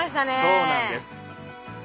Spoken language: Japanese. そうなんです。